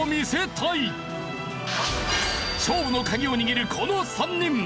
勝負の鍵を握るこの３人。